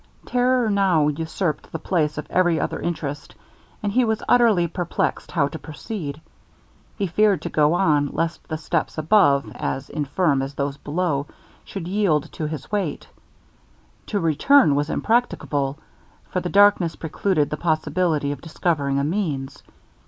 Terror now usurped the place of every other interest, and he was utterly perplexed how to proceed. He feared to go on, lest the steps above, as infirm as those below, should yield to his weight; to return was impracticable, for the darkness precluded the possibility of discovering a means.